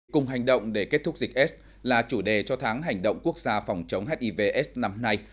cùng hành động để kết thúc dịch s là chủ đề cho tháng hành động quốc gia phòng chống hiv s năm nay